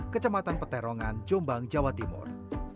kecamatan peterongan jombang jawa timur